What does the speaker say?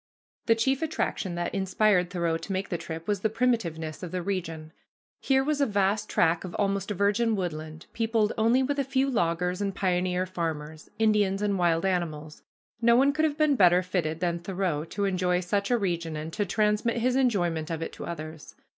The chief attraction that inspired Thoreau to make the trip was the primitiveness of the region. Here was a vast tract of almost virgin woodland, peopled only with a few loggers and pioneer farmers, Indians, and wild animals. No one could have been better fitted than Thoreau to enjoy such a region and to transmit his enjoyment of it to others.